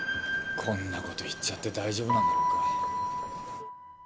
こんな事言っちゃって大丈夫なんだろうか。